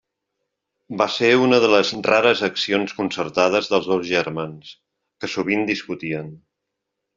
Va ser una de les rares accions concertades dels dos germans, que sovint discutien.